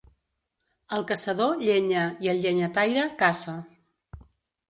Al caçador, llenya, i al llenyataire, caça.